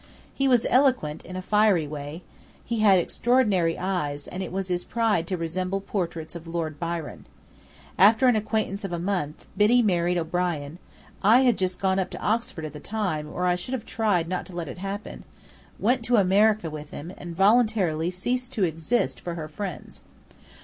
He was eloquent, in a fiery way. He had extraordinary eyes, and it was his pride to resemble portraits of Lord Byron. After an acquaintance of a month, Biddy married O'Brien (I had just gone up to Oxford at the time, or I should have tried not to let it happen), went to America with him, and voluntarily ceased to exist for her friends.